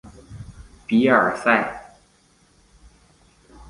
比塞尔。